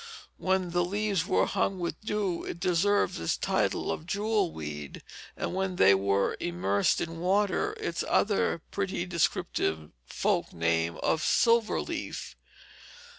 When the leaves were hung with dew it deserved its title of jewelweed, and when they were immersed in water its other pretty descriptive folk name of silver leaf.